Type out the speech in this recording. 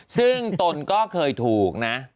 ซึ่งตนก็เคยถูกนะ